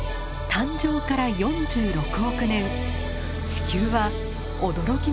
誕生から４６億年地球は驚きの大自然の連続。